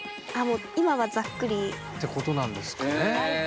今はザックリ。ってことなんですかね。